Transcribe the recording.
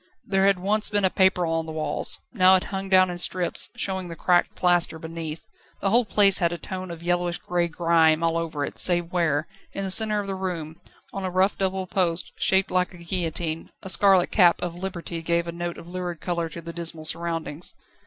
There had once been a paper on the walls, now it hung down in strips, showing the cracked plaster beneath. The whole place had a tone of yellowish grey grime all over it, save where, in the centre of the room, on a rough double post, shaped like the guillotine, a scarlet cap of Liberty gave a note of lurid colour to the dismal surroundings.